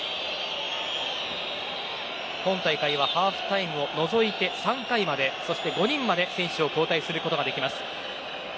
今大会はハーフタイムを除いて３回まで、そして５人まで選手を交代できます。